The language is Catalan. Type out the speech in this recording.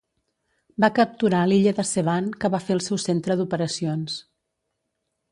Va capturar l'illa de Sevan que va fer el seu centre d'operacions.